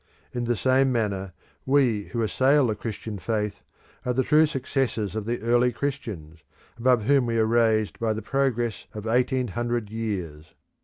In the same manner, we who assail the Christian faith are the true successors of the early Christians, above whom we are raised by the progress, of eighteen hundred years.